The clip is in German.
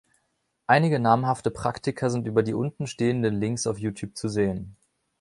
Einige namhafte Praktiker sind über die unten stehenden Links auf YouTube zu sehen.